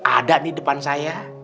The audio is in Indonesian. ada nih depan saya